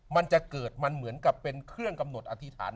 มันจะเกิดมันเหมือนกับเป็นเครื่องกำหนดอธิษฐาน